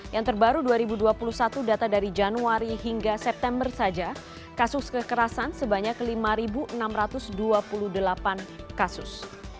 yang terbaru dua ribu dua puluh satu data dari januari hingga september saja kasus kekerasan sebanyak lima enam ratus dua puluh delapan kasus